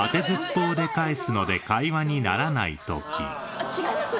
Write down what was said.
あっ違います